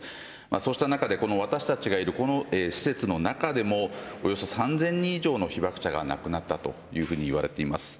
そうした中で、私たちがいるこの施設の中でもおよそ３０００人以上の被爆者が亡くなったというふうにいわれています。